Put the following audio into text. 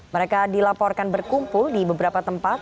mereka dilaporkan berkumpul di beberapa tempat